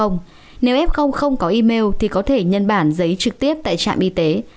nếu f không có email thì có thể nhân bản giấy trực tiếp tại trạm y tế